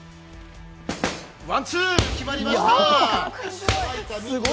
ワン・ツー、決まりました！